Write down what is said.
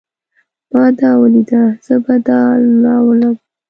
ما دا وليده. زه به دا راولم.